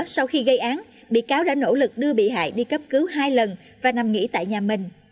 sau khi gây án bị cáo đã nỗ lực đưa bị hại đi cấp cứu hai lần và nằm nghỉ tại nhà mình